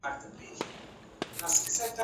مراقبه مو د ذهن رڼا ده.